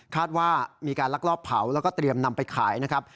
ว่ามีการลักลอบเผาแล้วก็เตรียมนำไปขายนะครับ